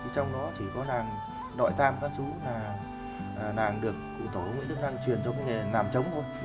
trong đó chỉ có làng đoại tam các chú là làng được cụ tổ nguyễn tức năng truyền cho cái nghề làng trống thôi